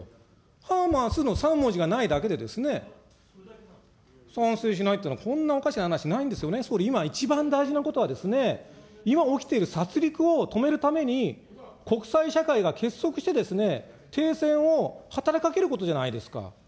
ハマスの３文字がないだけで、賛成しないっていうのは、そんなおかしな話、ないんですよね、総理、今一番大事なことはですね、今起きている殺りくを止めるために、国際社会が結束してですね、停戦を働きかけることじゃないですか。